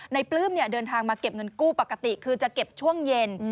ปลื้มเดินทางมาเก็บเงินกู้ปกติคือจะเก็บช่วงเย็น